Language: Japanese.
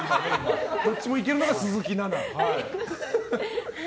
どっちもいけるのが鈴木奈々。